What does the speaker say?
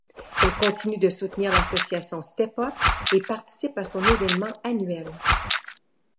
Elle continue de soutenir l'association Step Up et participe à son événement annuel.